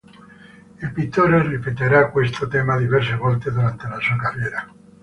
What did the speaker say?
Il pittore ripeterà questo tema diverse volte durante la sua carriera.